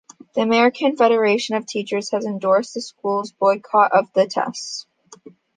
The American Federation of Teachers has endorsed the school's boycott of the tests.